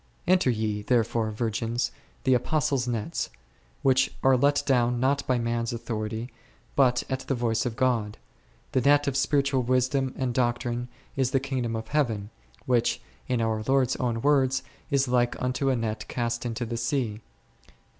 Enter ye, therefore, virgins, the Apostles' nets, which are let down not by man's authority, but at the voice of God ; the net of spiritual wisdom and doc trine is the Kingdom of Heaven, which, in our Lord's own words, is like unto a net cast into the sea c .